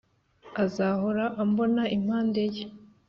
azahora ambona impande ye